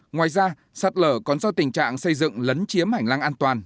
ngoài ra sạt lở còn do tình trạng xây dựng lấn chiếm hành lang an toàn